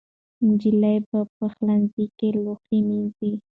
نجلۍ په پخلنځي کې لوښي مینځي.